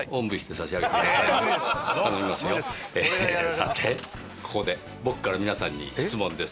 さてここで僕から皆さんに質問です。